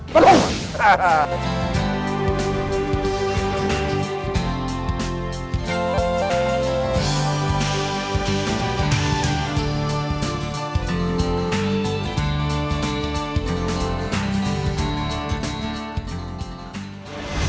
ประโลก